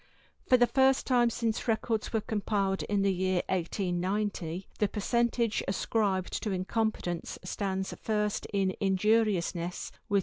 For the first time since the records were compiled in the year 1890, the percentage ascribed to incompetence stands first in injuriousness with 30.